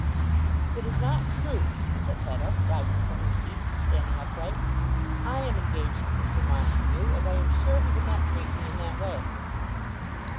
"It is not true," said Hetta, rising from her seat, and standing upright. "I am engaged to Mr. Montague, and I am sure he would not treat me in that way."